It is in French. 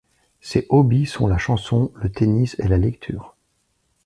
Ses hobbies sont la chanson, le tennis et la lecture.